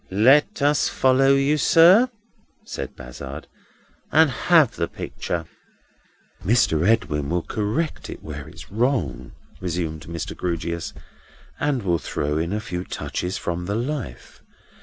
"Let us follow you, sir," said Bazzard, "and have the picture." "Mr. Edwin will correct it where it's wrong," resumed Mr. Grewgious, "and will throw in a few touches from the life.